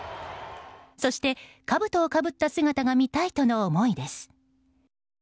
そして、かぶとをかぶった姿が見たいとの思いです。